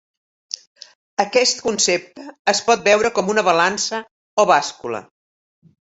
Aquest concepte es pot veure com una balança o bàscula.